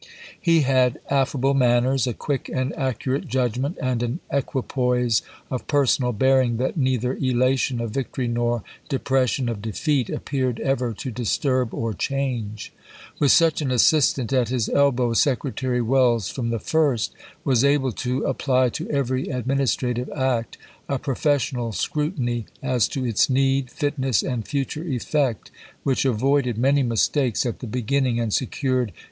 He had affable manners, a quick and accu rate judgment, and an equipoise of personal bear ing that neither elation of victory nor depression of defeat appeared ever to disturb or change. With such an assistant at his elbow Secretary Welles, from the first, was able to apply to every administrative act a professional scrutiny as to its need, fitness, and future effect which avoided HATTERAS AND PORT ROYAL l many mistakes at the beginning, and secured chap.